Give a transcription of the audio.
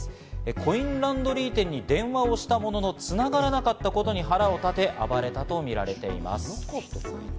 コインランドリー店に電話をしたものの繋がらなかったことに腹を立て、暴れたとみられています。